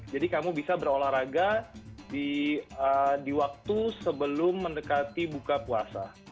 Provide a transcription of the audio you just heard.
jadi kamu bisa berolahraga di waktu sebelum mendekati buka puasa